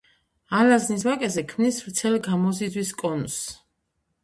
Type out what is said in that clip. ალაზნის ვაკეზე ქმნის ვრცელ გამოზიდვის კონუსს.